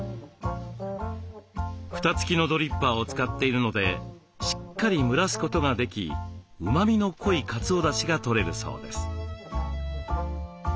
蓋付きのドリッパーを使っているのでしっかり蒸らすことができうまみの濃いかつおだしがとれるそうです。